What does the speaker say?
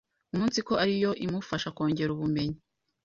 umunsiko ari yo imufasha kongera ubumenyi.